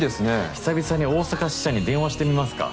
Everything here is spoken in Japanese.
久々に大阪支社に電話してみますか。